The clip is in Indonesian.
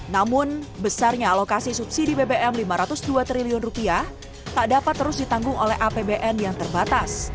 namun besarnya alokasi subsidi bbm rp lima ratus dua triliun rupiah tak dapat terus ditanggung oleh apbn yang terbatas